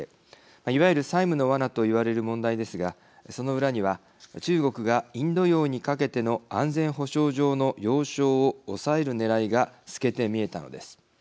いわゆる債務のワナと言われる問題ですがその裏には中国がインド洋にかけての安全保障上の要衝を押さえるねらいが透けて見えたのです。